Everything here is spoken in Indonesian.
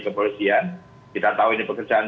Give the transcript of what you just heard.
kepolisian kita tahu ini pekerjaan